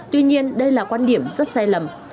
tuy nhiên đây là quan điểm rất sai lầm